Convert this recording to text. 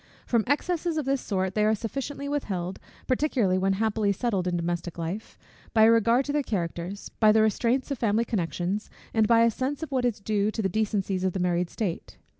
From excesses of this sort they are sufficiently withheld, particularly when happily settled in domestic life, by a regard to their characters, by the restraints of family connections, and by a sense of what is due to the decencies of the married state.